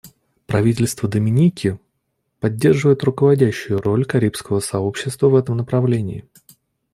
Правительство Доминики поддерживает руководящую роль Карибского сообщества в этом направлении.